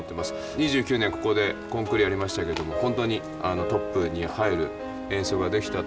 ２９年ここでコンクールやりましたけどもほんとにトップに入る演奏ができたと思ってます。